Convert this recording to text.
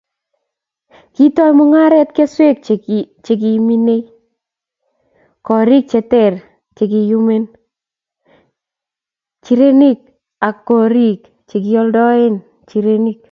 kiitoi mung'aret keswek chekiminei korik che teer chekiyumen nchirenik ak koriik chekioldoen nchirenik.